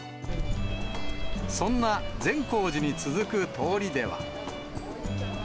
そんな善光寺に続く通りでは。